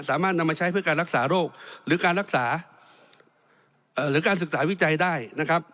สามารถนำมาใช้เพื่อการรักษาโรคหรือการรักษาหรือการศึกษาวิจัยได้นะครับ